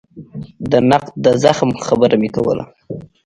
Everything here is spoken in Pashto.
د نقد د زغم خبره مې کوله.